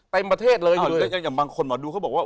เต็มประเทศเลยอย่างบางคนหมอดูเขาบอกว่า